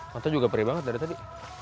mata juga perih banget dari tadi